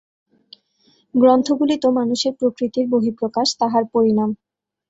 গ্রন্থগুলি তো মানুষের প্রকৃতির বহিঃপ্রকাশ, তাহার পরিণাম।